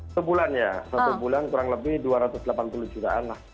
sebulan ya satu bulan kurang lebih dua ratus delapan puluh jutaan lah